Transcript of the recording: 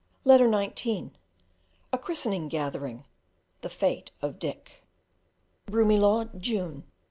Letter XIX: A Christening gathering. the fate of Dick. Broomielaw, June 1867.